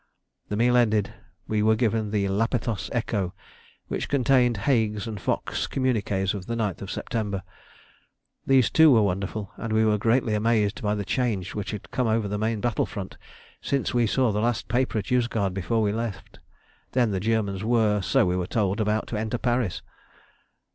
The meal ended, we were given the 'Lapethos Echo,' which contained Haig's and Foch's communiqués of the 9th September. These too were wonderful, and we were greatly amazed by the change which had come over the main battle front since we saw the last paper at Yozgad before we left; then the Germans were, so we were told, about to enter Paris.